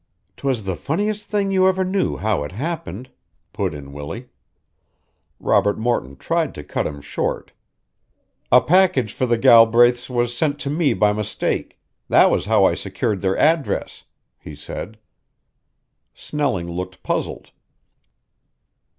"'Twas the funniest thing you ever knew how it happened," put in Willie. Robert Morton tried to cut him short. "A package for the Galbraiths was sent to me by mistake; that was how I secured their address," he said. Snelling looked puzzled.